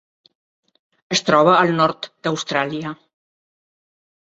Es troba al nord d'Austràlia.